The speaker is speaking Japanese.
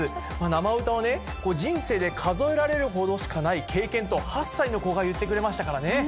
生歌を人生で数えられるほどしかない経験と、８歳の子が言ってくれましたからね。